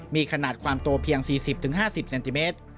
มีขนาดความตัวเพียง๔๐๕๐เซนติเมตร